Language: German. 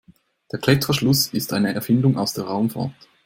Der Klettverschluss ist eine Erfindung aus der Raumfahrt.